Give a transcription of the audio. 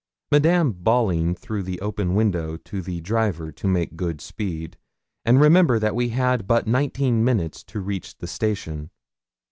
Madame bawling through the open window to the driver to make good speed, and remember that we had but nineteen minutes to reach the station.